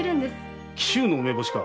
紀州の梅干しか。